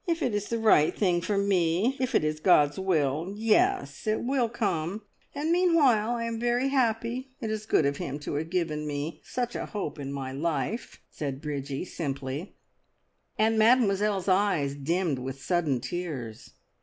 "If it is the right thing for me if it is God's will yes! it will come, and meanwhile I am very happy. It is good of Him to have given me such a hope in my life," said Bridgie simply; and Mademoiselle's eyes dimmed with sudden tears.